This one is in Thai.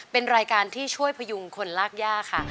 เป็นรายการที่ช่วยพยุงคนลากย่าค่ะ